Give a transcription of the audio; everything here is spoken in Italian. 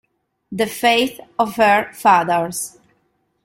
The Faith of Her Fathers